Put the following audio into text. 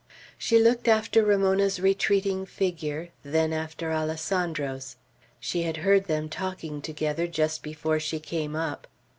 She looked after Ramona's retreating figure, then after Alessandro's. She had heard them talking together just before she came up.